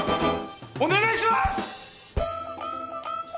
お願いします！！